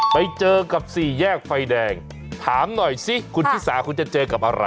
ไปเจอกับสี่แยกไฟแดงถามหน่อยสิคุณชิสาคุณจะเจอกับอะไร